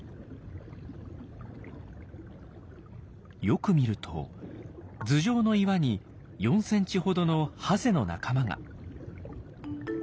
よく見ると頭上の岩に４ｃｍほどのハゼの仲間が。